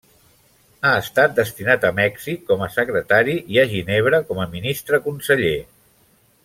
Ha estat destinat a Mèxic com a secretari i a Ginebra com a Ministre Conseller.